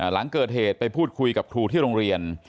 หลังเกิดเหตุไปพูดคุยกับครูที่โรงเรียน